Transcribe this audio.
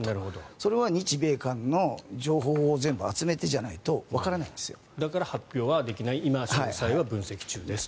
それは日米韓の情報を全部集めてじゃないとだから発表はできない今は詳細は分析中ですと。